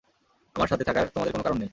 আমার সাথে থাকার তোমাদের কোনো কারণ নেই।